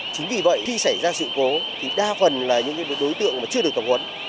chính vì vậy khi xảy ra sự cố thì đa phần là những đối tượng mà chưa được tập huấn